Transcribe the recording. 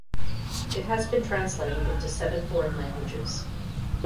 It has been translated into seven foreign languages.